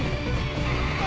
あ！